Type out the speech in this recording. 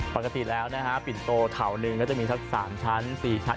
ปกติแล้วนะฮะปิ่นโตเถาหนึ่งก็จะมีสัก๓ชั้น๔ชั้น